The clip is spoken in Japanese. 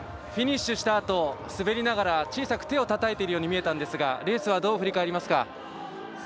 フィニッシュしたあと滑りながら小さく手をたたいているように見えたんですがレースはどう振り返りますか？